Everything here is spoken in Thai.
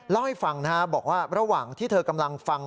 เล่าให้ฟังนะฮะบอกว่าระหว่างที่เธอกำลังฟัง